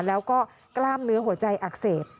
แล้วก็กล้ามเนื้อหัวใจอักเสบ